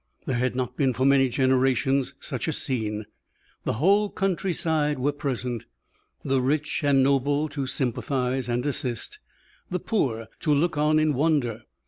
There had not been for many generations such a scene. The whole country side were present; the rich and the noble to sympathize and assist, the poor to look on in wonder.